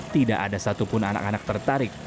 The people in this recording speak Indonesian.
tidak ada satupun anak anak tertarik